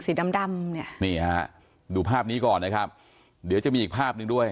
สีดำดำเนี่ยนี่ฮะดูภาพนี้ก่อนนะครับเดี๋ยวจะมีอีกภาพหนึ่งด้วย